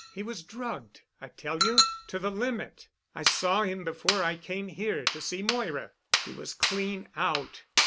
"He was drugged, I tell you—to the limit. I saw him before I came here to see Moira. He was clean out.